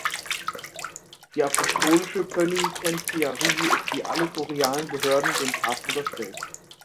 Die Apostolische Pönitentiarie ist, wie alle kurialen Behörden, dem Papst unterstellt.